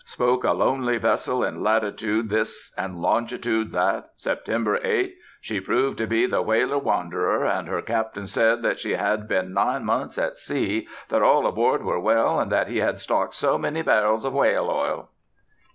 spoke a lonely vessel in latitude this and longitude that, September 8. She proved to be the whaler Wanderer, and her captain said that she had been nine months at sea, that all on board were well, and that he had stocked so many barrels of whale oil."